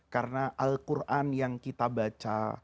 karena al quran yang kita baca